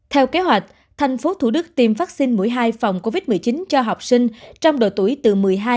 theo kế hoạch thành phố thủ đức tiêm vaccine mũi hai phòng covid một mươi chín cho học sinh trong độ tuổi từ một mươi hai một mươi bảy